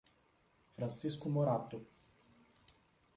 Francisco Morato